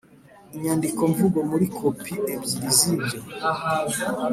inyandikomvugo muri kopi ebyiri z ibyo